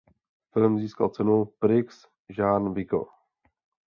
Film získal cenu Prix Jean Vigo.